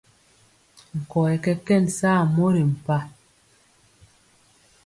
Nkɔyɛ kɛkɛn saa mori mpa.